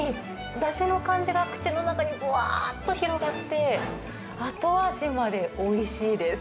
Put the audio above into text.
だしの感じが口の中にぶわーっと広がって、後味までおいしいです。